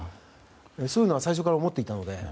そういうのは最初から思っていたので。